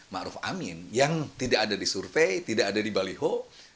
⁇ ruf amin yang tidak ada di survei tidak ada di baliho